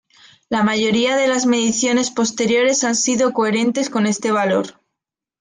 La mayoría de las mediciones posteriores han sido coherentes con este valor.